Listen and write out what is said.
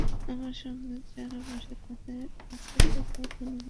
আমার সঙ্গে যারা বসে আসে সবগুলো ধনী দেশের নাগরিক, কোস্টারিকার মেয়েটি ছাড়া।